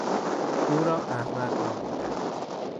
او را احمد نامیدند.